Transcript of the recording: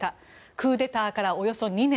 クーデターからおよそ２年。